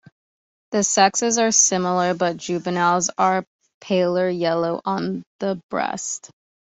The sexes are similar, but juveniles are paler yellow on the breast.